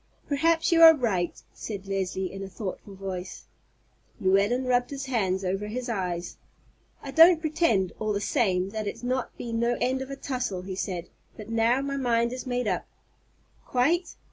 "Perhaps you are right," said Leslie, in a thoughtful voice. Llewellyn rubbed his hand over his eyes. "I don't pretend, all the same, that it's not been no end of a tussle," he said; "but now my mind is made up." "Quite?"